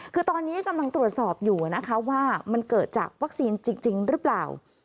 คือตอนนี้กำลังตรวจสอบอยู่นะคะว่ามันเกิดจากวัคซีนจริงหรือเปล่า